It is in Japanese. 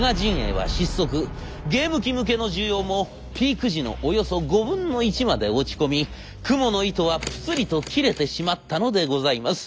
ゲーム機向けの需要もピーク時のおよそ５分の１まで落ち込みクモの糸はプツリと切れてしまったのでございます。